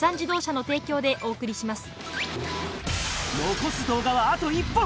残す動画はあと１本。